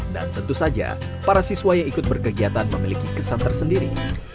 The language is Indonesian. dan tentu saja para siswa yang ikut berkegiatan memiliki kesan tersendiri